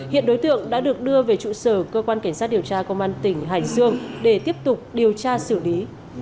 hiện đối tượng đã được đưa về trụ sở cơ quan cảnh sát điều tra công an tỉnh hải dương để tiếp tục điều tra xử lý